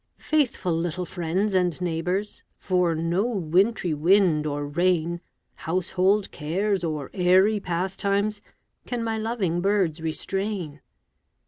Faithful little friends and neighbors, For no wintry wind or rain, Household cares or airy pastimes, Can my loving birds restrain.